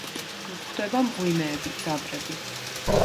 გვხვდება მღვიმეები, ძაბრები.